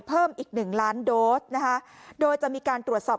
เพิ่มอีกหนึ่งล้านโดสนะคะโดยจะมีการตรวจสอบ